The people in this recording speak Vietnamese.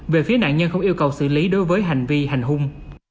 về phía nạn nhân không yêu cầu xử lý đối với hành vi hành hung